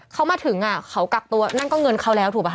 เขามาถึงอ่ะเขากักตัวนั่งก้องเงินเขาแล้วถูกปะฮะ